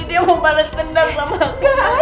dia mau bales dendam sama aku